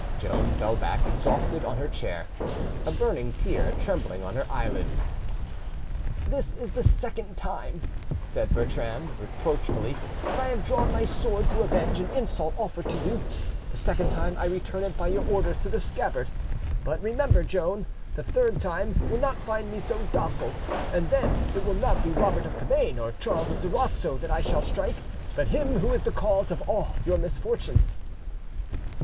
Joan fell back exhausted on her chair, a burning tear trembling on her eyelid. "This is the second time," said Bertrand reproachfully, "that I have drawn my sword to avenge an insult offered to you, the second time I return it by your orders to the scabbard. But remember, Joan, the third time will not find me so docile, and then it will not be Robert of Cabane or Charles of Durazzo that I shall strike, but him who is the cause of all your misfortunes."